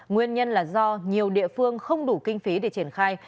nguyên nhân là do nhiều địa phương không đủ kinh phí để triển khai